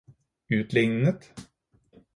utlignet